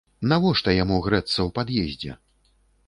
Навошта яму грэцца ў пад'ездзе?